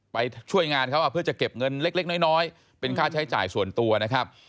ไปช่วยงานเขาเพื่อจะเก็บเงินเล็กน้อยเป็นค่าใช้จ่ายส่วนตัวนะครับ